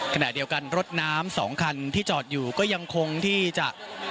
ขณะเดียวกันรถน้ำ๒คันที่จอดอยู่ก็ยังคงที่จะ